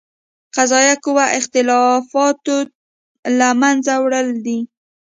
قضائیه قوه اختلافاتو له منځه وړل دي.